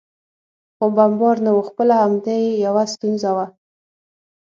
خو بمبار نه و، خپله همدې یو ستونزه وه.